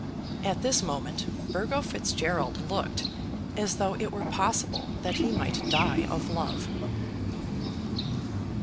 At this moment Burgo Fitzgerald looked as though it were possible that he might die of love.